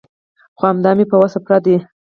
خو همدا مې په وس پوره ده.